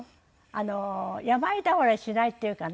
あの病倒れしないっていうかな。